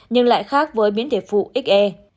nhưng lại khác với biến thể vụ xe